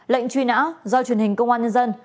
lệnh truy nã do truyền hình công an nhân dân